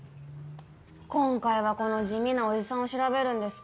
今回はこの地味なおじさんを調べるんですか？